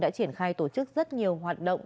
đã triển khai tổ chức rất nhiều hoạt động